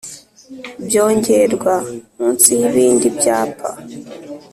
byongerwa munsi y’ibindi byapa